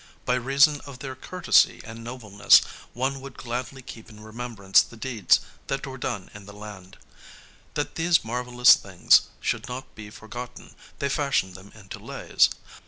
By reason of their courtesy and nobleness they would gladly keep in remembrance the deeds that were done in the land. That these marvellous things should not be forgotten they fashioned them into Lays.